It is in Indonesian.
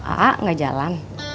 ate gak jalan